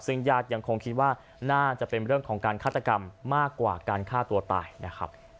ซึ่งญาติยังคงคิดว่าน่าจะเป็นเรื่องของการฆาตกรรมมากกว่าการฆ่าตัวตายนะครับ